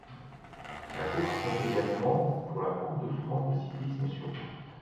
La course compte également pour la Coupe de France de cyclisme sur route.